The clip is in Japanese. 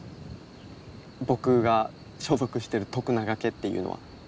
僕が所属してる徳永家っていうのは。